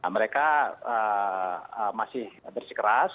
mereka masih bersikeras